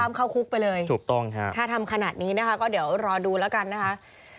ข้ามเข้าคุกไปเลยถ้าทำขนาดนี้นะคะก็เดี๋ยวรอดูแล้วกันนะคะ